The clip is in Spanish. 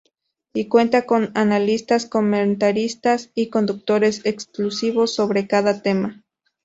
Y cuenta con analistas, comentaristas y conductores exclusivos sobre cada tema.